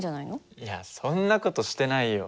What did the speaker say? いやそんな事してないよ。